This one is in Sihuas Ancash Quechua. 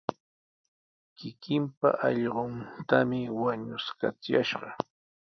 Kikinpa allquntami wañuskachishqa.